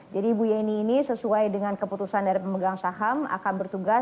jadi ibu yeni ini sesuai dengan keputusan dari pemegang saham akan bertugas